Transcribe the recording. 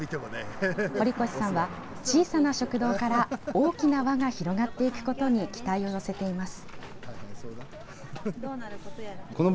堀越さんは、小さな食堂から大きな輪が広がっていくことに期待を寄せています。